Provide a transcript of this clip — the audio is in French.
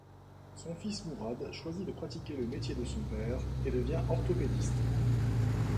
Son fils Mourad choisit de pratiquer le métier de son père et devient orthopédiste.